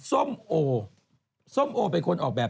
ส้มโอส้มโอเป็นคนออกแบบ